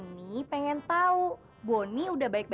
di padang autorailed book ya